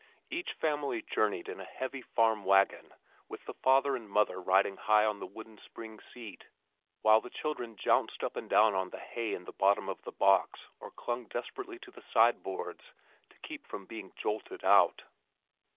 Each family journeyed in a heavy farm wagon with the father and mother riding high on the wooden spring seat while the children jounced up and down on the hay in the bottom of the box or clung desperately to the side boards to keep from being jolted out.